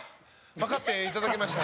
わかっていただけました？